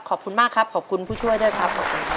ขอบคุณมากครับขอบคุณผู้ช่วยด้วยครับ